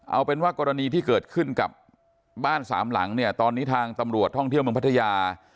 เอาเป็นว่ากรณีที่เกิดขึ้นกับบ้านสามหลังเนี่ยตอนนี้ทางตำรวจท่องเที่ยวเมืองพัทยา